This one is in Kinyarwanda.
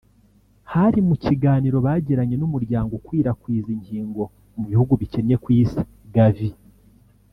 Hari mu kiganiro bagiranye n’Umuryango ukwirakwiza inkingo mu bihugu bikennye ku Isi (Gavi)